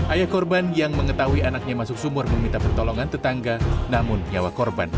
ayah korban yang mengetahui anaknya masuk sumur meminta pertolongan tetangga namun nyawa korban